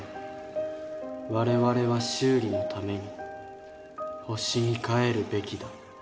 我々は修理のために星に帰るべきだ。